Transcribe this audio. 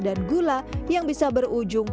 dan gula yang bisa berujung